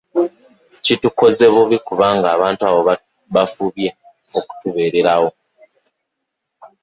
Kitukoze bubi kubanga abantu abo bafubye okutubeererawo.